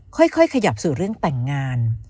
ค่อยขยับสู่เรื่องแต่งงาน